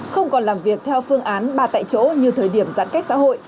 không còn làm việc theo phương án ba tại chỗ như thời điểm giãn cách xã hội